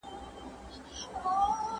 د خړو سترګو تر ژوندونه مرګی ښه وبوله